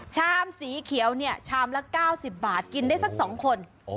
ชามสีเขียวเนี่ยชามละ๙๐บาทกินได้สัก๒คน